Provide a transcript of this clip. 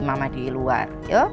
mama di luar